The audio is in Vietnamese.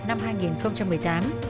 ngày bốn tháng một năm hai nghìn một mươi tám